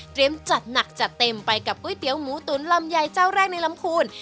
จัดหนักจัดเต็มไปกับก๋วยเตี๋ยวหมูตุ๋นลำไยเจ้าแรกในลำคูณ